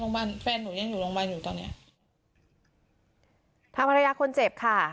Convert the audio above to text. แฟนหนูยังอยู่โรงพยาบาลอยู่ตอนเนี้ยทางภรรยาคนเจ็บค่ะ